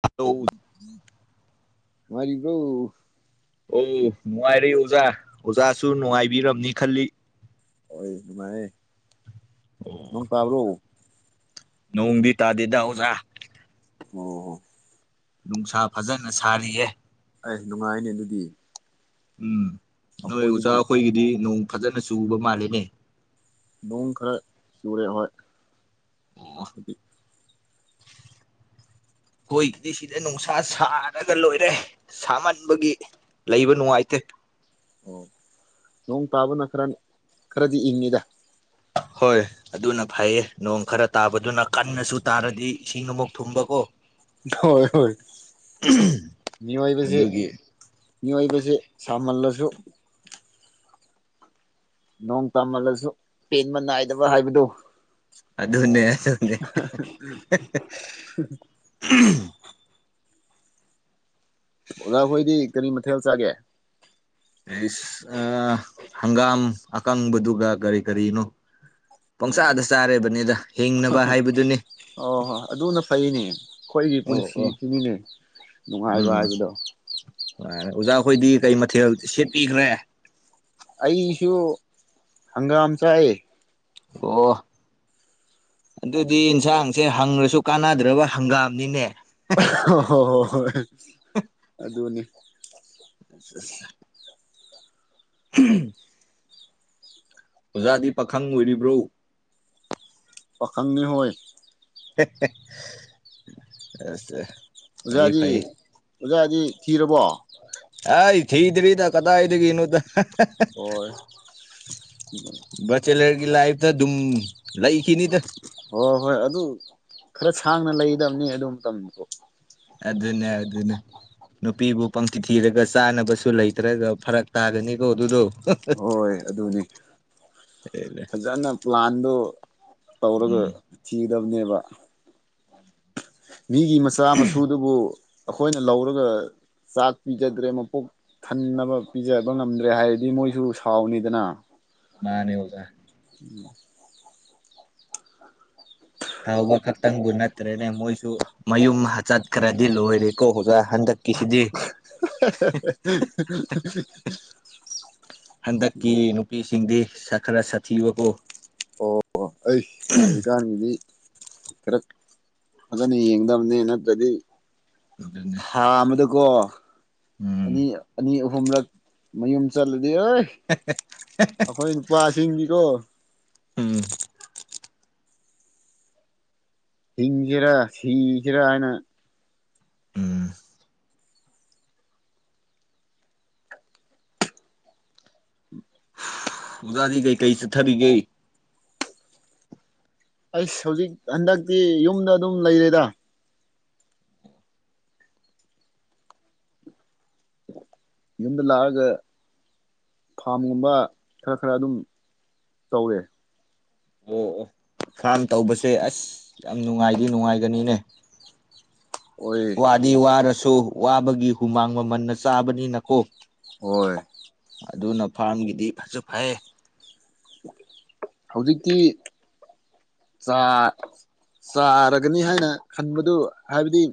ꯍ [unintelligible] ꯅꯨꯡꯉꯥꯢꯔꯤꯕꯣ ꯑꯣ ꯅꯨꯡꯉꯥꯏꯔꯤ ꯑꯣꯖꯥ ꯑꯣꯖꯥꯁꯨ ꯅꯨꯡꯉꯥꯏꯕꯤꯔꯝꯅꯤ ꯈꯜꯂꯤ ꯍꯣꯏ ꯅꯨꯡꯉꯥꯏꯔꯤ ꯑꯣ ꯅꯣꯡ ꯇꯥꯕ꯭ꯔꯣ ꯅꯣꯡꯗꯤ ꯇꯥꯗꯦꯗ ꯑꯣꯖꯥ ꯑꯣ ꯅꯨꯡꯁꯥ ꯐꯖꯅ ꯁꯥꯔꯤꯌꯦ ꯑꯩꯁ ꯅꯨꯡꯉꯥꯏꯅꯤ ꯑꯗꯨꯗꯤ ꯎꯝ ꯅꯣꯏ ꯑꯣꯖꯥ ꯑꯩꯈꯣꯏꯗꯗꯤ ꯑꯩꯈꯣꯏꯒꯤꯗꯤ ꯅꯣꯡ ꯐꯖꯅ ꯆꯨꯕ ꯃꯥꯜꯂꯤꯅꯦ ꯅꯣꯡ ꯈꯔ ꯆꯨꯔꯦ ꯍꯣꯏ ꯑꯣ ꯑꯩꯈꯣꯏꯒꯤꯗꯤ ꯁꯤꯗ ꯅꯨꯡꯁꯥ ꯁꯥꯔꯒ ꯂꯣꯏꯔꯦ ꯁꯥꯃꯟꯕꯒꯤ ꯂꯩꯕ ꯅꯨꯡꯉꯥꯏꯇꯦ ꯑꯣ ꯅꯣꯡ ꯇꯥꯕꯅ ꯈꯔ ꯈꯔꯗꯤ ꯏꯪꯉꯤꯗ ꯍꯣꯏ ꯑꯗꯨꯅ ꯐꯩꯌꯦ ꯅꯣꯡ ꯈꯔ ꯇꯥꯕꯗꯨꯅ ꯀꯟꯅꯁꯨ ꯇꯥꯔꯗꯤ ꯏꯁꯤꯡ ꯑꯃꯨꯛ ꯊꯨꯝꯕꯀꯣ ꯍꯣꯏ ꯍꯣꯏ ꯃꯤꯑꯣꯏꯕꯁꯦ ꯑꯗꯨꯒꯤ ꯃꯤꯑꯣꯏꯕꯁꯤ ꯁꯥꯃꯜꯂꯁꯨ ꯅꯣꯡ ꯇꯥꯃꯜꯂꯁꯨ ꯄꯦꯟꯕ ꯅꯥꯏꯗꯕ ꯍꯥꯏꯕꯗꯨ ꯑꯗꯨꯅꯦ ꯑꯗꯨꯅꯦ [unintelligible] ꯑꯣꯖꯥꯈꯣꯏꯗꯤ ꯀꯔꯤ ꯃꯊꯦꯜ ꯆꯥꯒꯦ ꯍꯪꯒꯥꯝ ꯑꯀꯪꯕꯗꯨꯒ ꯀꯔꯤ ꯀꯔꯤꯅꯣ ꯑꯣ ꯄꯪꯆꯥꯥꯗ ꯆꯥꯔꯦꯕꯅꯤꯗ ꯍꯤꯡꯅꯕ ꯍꯥꯏꯕꯗꯨꯅꯤ ꯑꯗꯨꯅ ꯐꯩꯅꯦ ꯑꯩꯈꯣꯏꯒꯤ ꯑꯣ ꯑꯣ ꯄꯨꯟꯁꯤꯁꯤꯅꯤꯅꯦ ꯅꯨꯡꯉꯥꯏꯕ ꯎꯝ ꯍꯥꯏꯕꯗꯣ ꯑꯣꯖꯥꯈꯣꯏꯗꯤ ꯀꯩ ꯃꯊꯦꯜ ꯁꯦꯠꯄꯤꯈ꯭ꯔꯦ ꯑꯩꯁꯨ ꯍꯪꯒꯥꯝ ꯆꯥꯏꯑꯦ ꯑꯣ ꯑꯗꯨꯗꯤ ꯌꯦꯟꯁꯥꯡꯁꯦ ꯍꯪꯉꯁꯨ ꯀꯥꯟꯅꯗ꯭ꯔꯕ ꯍꯪꯒꯥꯝꯅꯤꯅꯦ ꯑꯗꯨꯅꯤ [unintelligible] ꯀꯤ [unintelligible] ꯑꯣꯖꯥꯗꯤ ꯄꯥꯈꯪ ꯑꯣꯏꯔꯤꯕ꯭ꯔꯣ ꯄꯥꯈꯪꯅꯦ ꯑꯁꯦ [unintelligible] ꯑꯣꯖꯥꯗꯤ ꯑꯣꯖꯥꯗꯤ ꯊꯤꯔꯕꯣ ꯊꯤꯗꯔꯤꯗ ꯀꯗꯥꯏꯗꯒꯤꯅꫭꯗ ꯑꯣ [unintelligible] ꯕꯦꯆꯦꯂꯔꯒꯤ ꯂꯥꯏꯐꯇ ꯑꯗꯨꯝ ꯂꯩꯈꯤꯅꯤꯗ ꯍꯣꯏ ꯍꯣꯏ ꯑꯗꯨ ꯈꯔ ꯁꯥꯡꯅ ꯂꯩꯒꯗꯕꯅꯤ ꯑꯗꯨ ꯃꯇꯝꯗꯣ ꯑꯗꯨꯅꯦ ꯑꯗꯨꯅꯦ ꯅꯨꯄꯤꯕꯨ ꯄꯪꯇꯤ ꯊꯤꯔꯒ ꯆꯥꯅꯕꯁꯨ ꯂꯩꯇ꯭ꯔꯒ ꯐꯔꯛ ꯇꯥꯒꯅꯤꯀꯣ ꯑꯗꯨꯗꯣ ꯍꯣꯏ ꯑꯗꯨꯅꯤ ꯐꯖꯅ ꯄ꯭ꯂꯥꯟꯗꯣ ꯎꯝ ꯇꯧꯔꯒ ꯊꯤꯒꯗꯕꯅꯦꯕ ꯃꯤꯒꯤ ꯃꯆꯥ ꯃꯁꯨꯗꯨꯕꯨ ꯑꯩꯈꯣꯏꯅ ꯂꯧꯔꯒ ꯆꯥꯛ ꯄꯤꯖꯗ꯭ꯔꯦ ꯃꯄꯨꯛ ꯊꯟꯅꯕ ꯄꯤꯖꯕ ꯉꯝꯗ꯭ꯔꯦ ꯍꯥꯏꯔꯗꯤ ꯃꯣꯏꯁꯨ ꯁꯥꯎꯅꯤꯗꯅ ꯃꯥꯅꯦ ꯑꫭꯖꯥ ꯏ [unintelligible] ꯁꯥꯎꯕ ꯈꯛꯇꯪꯕꯨ ꯅꯠꯇ꯭ꯔꯦꯅꯦ ꯃꯣꯏꯁꯨ ꯃꯌꯨꯝ ꯆꯠꯈ꯭ꯔꯗꯤ ꯂꯣꯏꯔꯦꯀꯣ ꯑꯣꯖꯥ ꯀꯁꯤꯗꯤ [unintelligible] [unintelligible] ꯍꯟꯗꯛꯀꯤ ꯅꯨꯄꯤꯁꯤꯡꯗꯤ ꯈꯔ ꯁꯥꯊꯤꯕꯀꯣ ꯑꯣ ꯑꯩ ꯍꯧꯖꯤꯛꯀꯥꯟꯒꯤꯗꯤ [unintelligible] ꯐꯖꯅ ꯌꯦꯡꯒꯗꯕꯅꯤ ꯅꯠꯇ꯭ꯔꯗꯤ ꯑꯗꯨꯅꯦ [unintelligible] ꯊꯥ ꯑꯃꯗꯀꯣ ꯎꯝ ꯑꯅꯤ ꯑꯅꯤ ꯑꯍꯨꯝꯂꯛ ꯃꯌꯨꯝ ꯆꯠꯂꯗꯤ ꯍꯣꯏ ꯑꯩꯈꯣꯏ ꯅꯨꯄꯥꯁꯤꯡꯗꯤꯀꯣ ꯎꯝ [unintelligible] ꯍꯤꯡꯖꯤꯔꯥ ꯁꯤꯁꯤꯔꯥ ꯍꯥꯏꯅ ꯎꯝ [unintelligible] ꯑꫭꯖꯥꯗꯤ ꯀꯩ ꯀꯩ ꯆꯠꯊꯔꯤꯒꯦ ꯍꯧꯖꯤꯛ ꯍꯟꯗꯛꯇꯤ ꯌꯨꯝꯗ ꯑꯗꯨꯝ ꯂꯩꯔꯦꯗ ꯌꯨꯝꯗ ꯂꯥꯛꯑꯒ ꯐꯥꯝꯒꯨꯝꯕ ꯈꯔ ꯈꯔ ꯑꯗꯨꯝ ꯇꯧꯔꯦ ꯑꯣ ꯑꯣ ꯐꯥꯝ ꯇꯧꯕꯁꯦ ꯑꯁ ꯌꯥꯝ ꯅꯨꯡꯉꯥꯏꯗꯤ ꯅꯨꯡꯉꯥꯏꯒꯅꯤꯅꯦ ꯑꯣꯏ ꯋꯥꯗꯤ ꯋꯥꯔꯁꯨ ꯋꯥꯕꯒꯤ ꯍꯨꯃꯥꯡ ꯃꯃꯟꯅ ꯆꯥꯕꯅꯤꯅꯀꯣ ꯍꯣꯏ ꯑꯗꯨꯅ ꯐꯥꯔꯝꯒꯤꯗꯤ ꯐꯁꯨ ꯐꯩ ꯍꯧꯖꯤꯛꯇꯤ ꯆꯥ ꯆꯥꯔꯒꯅꯤ ꯍꯥꯏꯅ ꯈꯟꯕꯗꯨ ꯍꯥꯏꯕꯗꯤ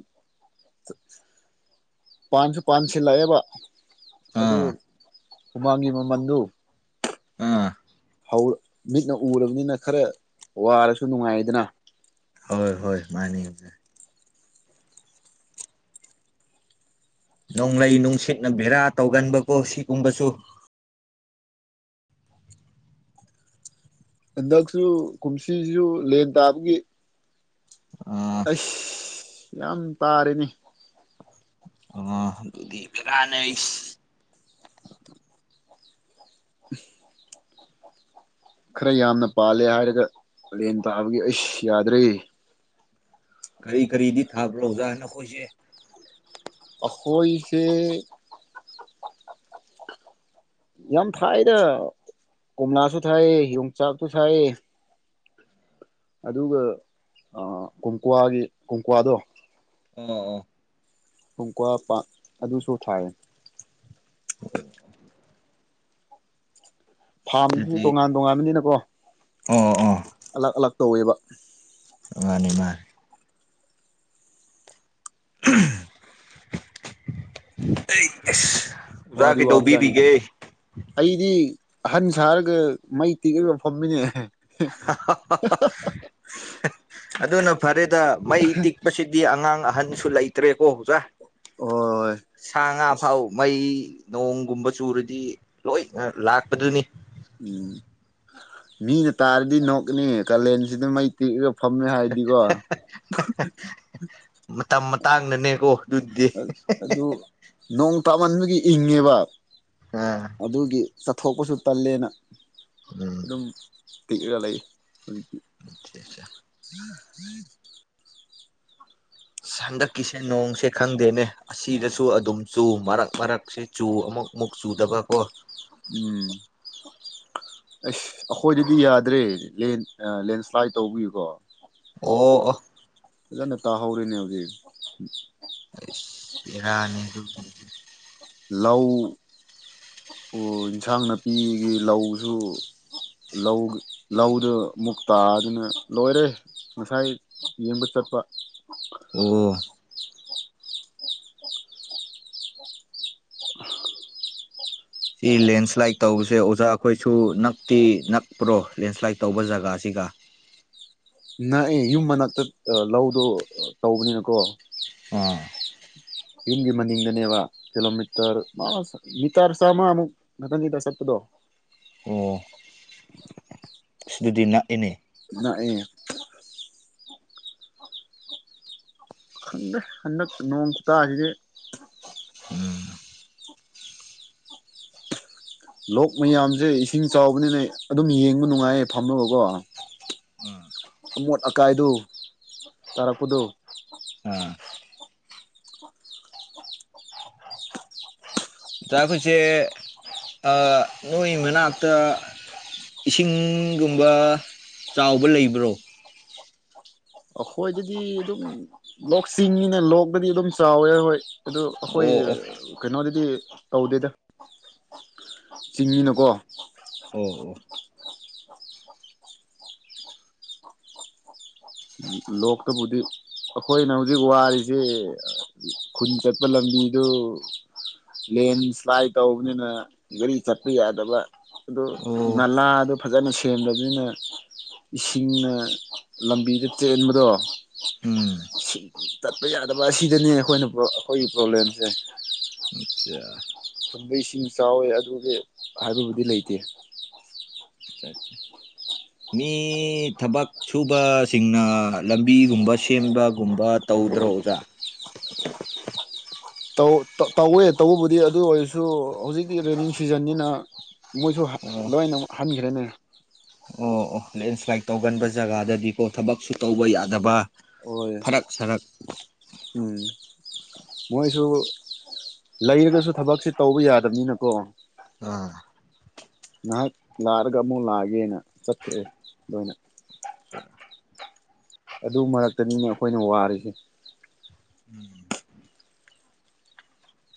ꯄꯥꯟꯁꯨ ꯄꯥꯟ ꯁꯤꯜꯂꯛꯑꯦꯕ ꯑꯗꯨ ꯑꯥ ꯍꯨꯃꯥꯡꯒꯤ ꯃꯃꯟꯗꯨ ꯑꯥ ꯃꯤꯠꯅ ꯎꯔꯕꯅꯤꯅ ꯈꯔ ꯋꯥꯔꯁꯨ ꯅꯨꯡꯉꯥꯏꯌꯦꯗꯅ ꯍꯣꯏ ꯍꯣꯏ ꯃꯥꯅꯤ ꯑꯣꯖꯥ ꯅꯣꯡꯂꯩ ꯅꯨꯡꯁꯤꯠꯅ ꯕꯦꯔꯥ ꯇꯧꯒꯟꯕꯀꯣ ꯁꯤꯒꯨꯝꯕꯁꯨ ꯍꯟꯗꯛꯁꯨ ꯀꯨꯝꯁꯤꯁꯤꯁꯨ ꯂꯦꯟ ꯇꯥꯕꯒꯤ ꯑ ꯑꯩꯁ ꯌꯥꯝ ꯇꯥꯔꯦꯅꯦ ꯑꯣ ꯑꯗꯨꯗꯤ ꯀꯗꯥꯏꯗꯒꯤ ꯑꯁ ꯎ [inaudible] ꯈꯔ ꯌꯥꯝꯅ ꯄꯥꯜꯂꯦ ꯍꯥꯏꯔꯒ ꯂꯦꯟ ꯇꯥꯕꯒꯤ ꯑꯩꯁ ꯌꯥꯗ꯭ꯔꯦ ꯀꯔꯤ ꯀꯔꯤꯗꯤ ꯊꯥꯕ꯭ꯔꯣ ꯑꯣꯖꯥ ꯅꯈꯣꯏꯁꯦ ꯑꯈꯣꯏꯁꯦ ꯌꯥꯝ ꯊꯥꯏꯗ ꯀꯣꯝꯂꯥꯁꯨ ꯊꯥꯏ ꯌꯣꯡꯆꯥꯛꯁꯨ ꯊꯥꯏ ꯑꯗꯨꯒ ꯀꯣꯝꯀ꯭ꯋꯥꯒꯤ ꯀꯣꯝꯀ꯭ꯋꯥꯗꯣ ꯑꯣ ꯑꯣ ꯀꯣꯝꯀ꯭ꯋꯥ ꯄꯥꯟ ꯑꯗꯨꯁꯨ ꯊꯥꯏꯌꯦ ꯑꯣ [inaudible] ꯐꯥꯔꯝꯗꯨꯁꯨ ꯇꯣꯉꯥꯟ ꯇꯣꯉꯥꯟꯕꯅꯤꯅꯀꯣ ꯑꯥ ꯑꯥ ꯑꯂꯛ ꯑꯂꯛ ꯇꯧꯋꯦꯕ ꯃꯥꯅꯤ ꯃꯥꯅꯤ ꯑꯩ [unintelligible] ꯋꯥꯗꯤ ꯋꯥꯕꯖꯥꯠꯅꯤ ꯑꯩꯗꯤ ꯑꯍꯟ ꯁꯥꯔꯒ ꯃꯩ ꯇꯤꯛꯑꯒ ꯐꯝꯃꯤꯅꯦ ꯑꯗꯨꯅ ꯐꯔꯦꯗ ꯃꯩ ꯇꯤꯛ ꯃꯁꯤꯗꯤ ꯑꯉꯥꯡ ꯑꯍꯟꯁꯨ ꯂꯩꯇ꯭ꯔꯦꯀꯣ ꯑꯣꯖꯥ ꯍꯣꯏ ꯁꯥ ꯉꯥ ꯐꯥꯎ ꯃꯩ ꯅꯣꯡꯒꯨꯝꯕ ꯆꯨꯔꯗꯤ ꯂꯣꯏꯅ ꯂꯥꯛꯄꯗꯨꯅꯤ ꯎꯝ ꯃꯤꯅ ꯇꯥꯔꯗꯤ ꯅꯣꯛꯀꯅꯤ ꯀꯥꯂꯦꯟꯁꯤꯗ ꯃꯩ ꯇꯤꯛꯑꯒ ꯐꯝꯃꯦ ꯍꯥꯏꯔꯗꯤꯀꯣ ꯃꯇꯝ ꯃꯇꯥꯡꯅꯅꯦꯀꯣ ꯑꯗꯨꯗꯤ ꯑꯗꯨ ꯅꯣꯡ ꯇꯥꯃꯟꯕꯒꯤ ꯏꯪꯉꯦꯕ ꯑꯥ ꯑꯗꯨꯒꯤ ꯊꯣꯛꯄꯁꯨ ꯇꯜꯂꯦꯅ ꯎꯝ ꯑꯗꯨꯝ ꯇꯤꯛꯑꯒ ꯂꯩ ꯍꯟꯗꯛꯀꯤꯁꯦ ꯅꯣꯡꯁꯦ ꯈꯪꯗꯦꯅꯦ ꯑꯁꯤꯗꯁꯨ ꯑꯗꯨꯝ ꯆꯨ ꯃꯔꯛ ꯃꯔꯛꯁꯤ ꯆꯨ ꯑꯃꯨꯛ ꯃꯨꯛ ꯆꯨꯗꯕꯀꯣ ꯎꯝ ꯑꯁ ꯑꯩꯈꯣꯏꯗꯗꯤ ꯌꯥꯗ꯭ꯔꯦ ꯂꯦꯟꯁ ꯂꯦꯟꯁ꯭ꯂꯥꯏꯠ ꯇꯧꯕꯒꯤꯀꯣ ꯑꯣ ꯑꯣ ꯐꯖꯅ ꯇꯥꯍꯧꯔꯤꯅꯦ ꯍꯧꯖꯤꯛ ꯑꯥꯁ ꯕꯦꯔꯅꯤ ꯑꯗꯨ ꯂꯧ ꯏꯟꯁꯥꯡ ꯅꯥꯄꯤꯒꯤ ꯂꯧꯁꯨ ꯂꯧ ꯂꯧꯗ ꯑꯃꯨꯛ ꯇꯥꯗꯨꯅ ꯂꯣꯏꯔꯦ ꯉꯁꯥꯏ ꯌꯦꯡꯕ ꯆꯠꯄ ꯑꯣ ꯁꯤ ꯂꯦꯟꯁ꯭ꯂꯥꯏꯠ ꯇꯧꯕꯁꯦ ꯑꯣꯖꯥ ꯑꯩꯈꯣꯏꯁꯨ ꯅꯛꯇꯤ ꯅꯛꯄ꯭ꯔꯣ ꯂꯦꯟꯁ꯭ꯂꯥꯏꯠ ꯇꯧꯕ ꯖꯒꯥꯁꯤꯒ ꯅꯛꯑꯦ ꯌꯨꯝ ꯃꯅꯥꯛꯇ ꯂꯧꯗꯣ ꯇꯧꯕꯅꯤꯅꯀꯣ ꯑꯥ ꯌꯨꯝꯒꯤ ꯃꯅꯤꯡꯗꯅꯦꯕ ꯀꯤꯂꯣꯃꯤꯇꯔ ꯑꯁ ꯃꯤꯇꯥꯔ ꯆꯝꯃꯥꯃꯨꯛ ꯅꯥꯊꯪꯒꯤꯗ ꯆꯠꯄꯗꯣ ꯑꯣ ꯏꯁ ꯑꯗꯨꯗꯤ ꯅꯛꯏꯅꯦ ꯅꯛꯑꯦ ꯈꯪꯗꯦ ꯍꯟꯗꯛ ꯅꯣꯡ ꯈꯨꯇꯥꯁꯤꯗꯤ ꯂꯣꯛ ꯃꯌꯥꯝꯁꯦ ꯏꯁꯤꯡ ꯆꯥꯎꯕꯅꯤꯅ ꯑꯗꯨꯝ ꯌꯦꯡꯕ ꯅꯨꯡꯉꯥꯏꯌꯦ ꯐꯝꯃꯒꯀꯣ ꯑꯥ ꯑꯃꯣꯠ ꯑꯀꯥꯏꯗꯨ ꯇꯥꯔꯛꯄꯗꯨ ꯑ ꯇꯥꯒꯨꯏꯁꯦ ꯑꯥ ꯅꯣꯏ ꯃꯅꯥꯛꯇ ꯏꯁꯤꯡꯒꯨꯝꯕ ꯆꯥꯎꯕ ꯂꯩꯕ꯭ꯔꯣ ꯑꯩꯈꯣꯏꯗꯗꯤ ꯑꯗꯨꯝ ꯂꯣꯛ ꯆꯤꯡꯅꯤꯅ ꯂꯣꯛꯇꯗꯤ ꯑꯗꯨꯝ ꯆꯥꯎꯋꯦ ꯑꯩꯈꯣꯏ ꯑꯗꯨ ꯑꯩꯈꯣꯏ ꯑꯣ ꯑꯣ ꯀꯩꯅꯣꯗꯗꯤ ꯇꯧꯗꯦꯗ ꯆꯤꯡꯅꯤꯅꯀꯣ ꯑꯣ ꯑꯣ ꯂꯣꯛꯇꯕꯨꯗꯤ ꯑꯩꯈꯣꯏꯅ ꯍꯧꯖꯤꯛ ꯋꯥꯔꯤꯖꯦ ꯈꯨꯟ ꯆꯠꯄ ꯂꯝꯕꯤꯗꯣ ꯂꯦꯟ ꯁ꯭ꯂꯥꯏꯠ ꯇꯧꯕꯅꯤꯅ ꯒꯥꯔꯤ ꯆꯠꯄ ꯌꯥꯗꯕ ꯑꯗꯨ ꯑꯣ ꯅꯂꯗꯨ ꯐꯖꯅ ꯁꯦꯝꯗꯕꯅꯤꯅ ꯏꯁꯤꯡꯅ ꯂꯝꯕꯤ ꯖꯤꯞ ꯆꯦꯟꯕꯗꯣ ꯎꯝ ꯁꯤꯡ ꯇꯠꯄ ꯌꯥꯗꯕ ꯑꯁꯤꯗꯅꯦ ꯑꯩꯈꯣꯏꯅ ꯑꯩꯈꯣꯏꯒꯤ ꯄ꯭ꯔꯣꯕ꯭ꯂꯦꯝꯁꯦ ꯆꯥ ꯈꯨꯟꯗ ꯏꯁꯤꯡ ꯆꯥꯎꯋꯦ ꯑꯗꯨꯒꯤ ꯍꯥꯏꯕꯕꯨꯗꯤ ꯂꯩꯇꯦ ꯃꯤ ꯊꯕꯛ ꯁꯨꯕꯁꯤꯡꯅ ꯂꯝꯕꯤꯒꯨꯝꯕ ꯁꯦꯝꯕꯒꯨꯝꯕ ꯇꯧꯗ꯭ꯔꯣ ꯑꯣꯖꯥ ꯇꯧ ꯇꯧꯋꯦ ꯇꯧꯕꯕꯨꯗꯤ ꯑꯗꯨ ꯑꯣꯏꯔꯁꯨ ꯍꯧꯖꯤꯛꯀꯤ ꯔꯦꯅꯤꯡ ꯁꯤꯖꯟꯅꯤꯅ ꯃꯣꯏꯁꯨ ꯍꯟ ꯑꯣ ꯂꯣꯏꯅ ꯍꯟꯈ꯭ꯔꯦꯅꯦ ꯑꯣ ꯑꯣ ꯂꯦꯟꯁ꯭ꯂꯥꯏꯠ ꯇꯧꯒꯟꯕ ꯖꯒꯥꯗꯗꯤ [unintelligible] ꯊꯕꯛꯁꯨ ꯇꯧꯕ ꯌꯥꯗꯕ ꯍꯣꯏ ꯐꯔꯛ ꯁꯔꯛ ꯎꯝ ꯃꯣꯏꯁꯨ ꯂꯩꯔꯒꯁꯨ ꯊꯕꯛꯁꯦ ꯇꯧꯕ ꯌꯥꯗꯕꯅꯤꯅꯀꯣ ꯑꯥ ꯉꯍꯥꯛ ꯂꯥꯛꯑꯒ ꯑꯃꯨꯛ ꯂꯥꯛꯑꯒꯦꯅ ꯆꯠꯈ꯭ꯔꯦ ꯑꯗꯨꯅ [unintelligible] [inaudible] ꯑꯗꯨ ꯃꯔꯛꯇꯅꯤꯅꯦ ꯑꯩꯈꯣꯏꯅ ꯋꯥꯔꯤꯁꯦ ꯎꯝ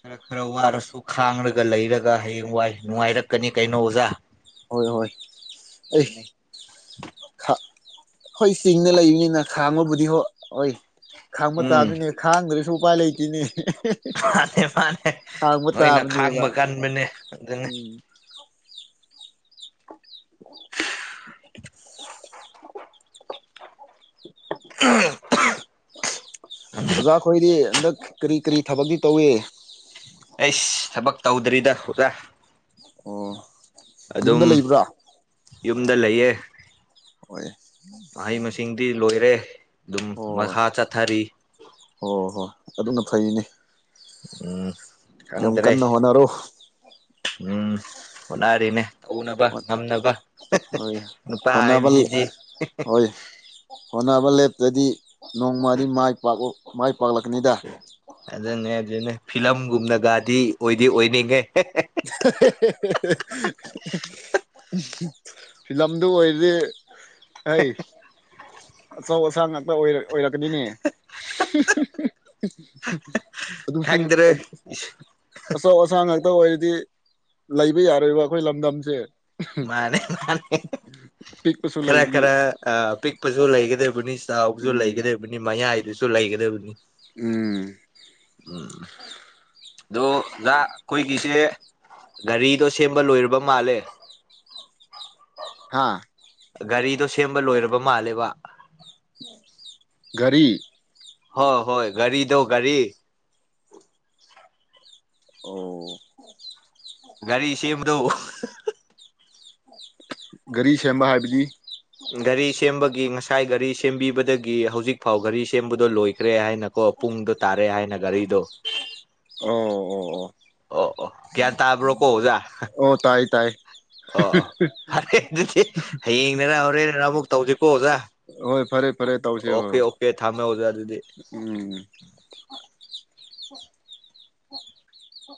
ꯈꯔ ꯈꯔ ꯋꯥꯔꯁꯨ ꯈꯥꯡꯔꯒ ꯂꯩꯔꯒ ꯍꯌꯦꯡ ꯋꯥꯏ ꯅꯨꯡꯉꯥꯏꯔꯛꯀꯅꯤ ꯀꯩꯅꯣ ꯑꯣꯖꯥ ꯍꯣꯏ ꯍꯣꯏ ꯑꯦ ꯍꯣꯏ ꯆꯤꯡꯅ ꯂꯩꯕꯅꯤꯅ ꯈꯥꯡꯉꯕꯨꯗꯤ ꯍꯣ ꯍꯣꯏ ꯈꯥꯡꯕ ꯎꯝ ꯇꯥꯕꯗꯅꯤꯅꯦ ꯈꯥꯡꯗ꯭ꯔꯁꯨ ꯎꯄꯥꯏ ꯂꯩꯇꯦꯅꯦ ꯃꯥꯅꯦ ꯃꯥꯅꯦ ꯈꯥꯡꯕ ꯂꯣꯏꯅ ꯇꯥꯕꯅꯦꯕ ꯈꯥꯡꯕ ꯀꯟꯕꯅꯦ ꯑꯗꯨꯅꯤ ꯎꯝ [inaudible] ꯑꯣꯖꯥꯈꯣꯏꯗꯤ ꯍꯟꯗꯛ ꯀꯔꯤ ꯀꯔꯤ ꯊꯕꯛꯇꯤ ꯇꯧꯏ ꯑꯩꯁ ꯊꯕꯛ ꯇꯧꯗ꯭ꯔꯤꯗ ꯑꯣꯖꯥ ꯑꯣ ꯑꯗꯨꯝ ꯌꯨꯝꯗ ꯂꯩꯕ꯭ꯔꯥ ꯌꯨꯝꯗ ꯂꯩꯌꯦ ꯍꯣꯢꯌꯦ ꯗꯤ ꯂꯣꯏꯔꯦ ꯑꯗꯨꯝ ꯃꯈꯥ ꯆꯠꯊꯔꯤ ꯍꯣꯏ ꯍꯣ ꯍꯣꯏ ꯑꯗꯨꯅ ꯐꯩꯅꯦ ꯎꯝ ꯌꯥꯝ ꯈꯪꯗ꯭ꯔꯦ ꯀꯟꯅ ꯍꯣꯠꯅꯔꯣ ꯎꯝ ꯍꯣꯠꯅꯔꯤꯅꯦ ꯇꯧꯅꯕ ꯉꯝꯅꯕ ꯍꯣꯏ ꯅꯨꯄꯥ ꯍꯣꯠꯅꯕ ꯍꯥꯏꯕꯁꯤꯗꯤ ꯍꯣꯏ ꯍꯣꯠꯅꯕ ꯂꯦꯞꯇꯔꯗꯤ ꯅꯣꯡꯃꯗꯤ ꯄꯥꯛ ꯃꯥꯏ ꯄꯥꯛꯂꯛꯀꯅꯤꯗ ꯑꯗꯨꯅꯦ ꯑꯗꯨꯅꯦ ꯐꯤꯂꯝꯒꯨꯝꯅꯒꯗꯤ ꯑꯣꯏꯗꯤ ꯑꯣꯏꯅꯤꯡꯉꯦ ꯐꯤꯂꯝꯗꯨ ꯑꯣꯏꯔꯦ ꯑꯩ ꯑꯆꯧ ꯑꯁꯥꯡ ꯉꯥꯛꯇ ꯑꯣꯏꯔꯛꯀꯅꯤꯅꯦ ꯑꯗꯨꯁꯨ ꯈꯪꯗ꯭ꯔꯦ ꯑꯆꯧ ꯑꯁꯥꯡ ꯉꯥꯛꯇ ꯑꯣꯏ ꯗꯤ ꯂꯩꯕ ꯌꯥꯔꯣꯏꯕ ꯑꯩꯈꯣꯏ ꯂꯝꯗꯝꯁꯦ ꯃꯥꯅꯦ ꯃꯥꯅꯦ ꯑꯄꯤꯛꯄꯁꯨ ꯈꯔ ꯂꯩꯕꯒꯤ ꯈꯔ ꯑꯥ ꯄꯤꯛꯄꯁꯨ ꯂꯩꯒꯗꯕꯅꯤ ꯆꯥꯎꯕꯁꯨ ꯎꯝ ꯂꯩꯒꯗꯕꯅꯤ ꯃꯌꯥꯏꯗꯨꯁꯨ ꯂꯩꯒꯗꯕꯅꯤ ꯎꯝ ꯎꯝ ꯑꯗꯣ ꯑꯣꯖꯥ ꯑꯩꯈꯣꯏꯒꯤꯁꯦ ꯒꯥꯔꯤꯗꯣ ꯁꯦꯝꯕ ꯂꯣꯏꯔꯕ ꯃꯥꯜꯂꯦ ꯍꯥꯥ ꯒꯥꯔꯤꯗꯣ ꯁꯦꯝꯕ ꯂꯣꯏꯔꯕ ꯃꯥꯜꯂꯦꯕ ꯀꯔꯤ ꯍꯣꯏ ꯍꯣꯏ ꯒꯥꯔꯤꯗꯣ ꯒꯥꯔꯤ ꯑꯣ ꯒꯥꯔꯤ ꯁꯦꯝꯕꯗꯣ ꯒꯥꯔꯤ ꯁꯦꯝꯕ ꯍꯥꯏꯕꯗꯤ ꯒꯥꯔꯤ ꯁꯦꯝꯕꯒꯤ ꯉꯁꯥꯏ ꯒꯥꯔꯤ ꯁꯦꯝꯕꯤꯕꯗꯒꯤ ꯍꯧꯖꯤꯛꯐꯥꯎ ꯒꯥꯔꯤ ꯁꯦꯝꯕꯗꯣ ꯂꯣꯏꯈ꯭ꯔꯦ ꯍꯥꯏꯅꯀꯣ ꯄꯨꯡꯗꯣ ꯇꯥꯔꯦ ꯍꯥꯏꯅ ꯒꯥꯔꯤꯗꯣ ꯑꯣ ꯑꯣ ꯑꯣ ꯑꯣ ꯀꯌꯥꯟ ꯇꯥꯕ꯭ꯔꯣ ꯀꯣ ꯑꯣꯖꯥ ꯑꯣ ꯑꯣ ꯇꯥꯏ ꯇꯥꯏ ꯑꯣ ꯑꯣ ꯐꯔꯦ ꯑꯗꯨꯗꯤ ꯍꯌꯦꯡꯗꯔ ꯍꯣꯔꯦꯟꯔ ꯑꯃꯨꯛ ꯇꯧꯁꯤꯀꯣ ꯑꯣꯖꯥ ꯍꯣꯏ ꯐꯔꯦ ꯐꯔꯦ ꯇꯧꯁꯦ ꯍꯣꯏ ꯑꯣꯀꯦ ꯍꯣꯏ ꯑꯣꯀꯦ ꯊꯥꯃꯦ ꯑꯣꯖꯥ ꯑꯗꯨꯗꯤ ꯎꯝ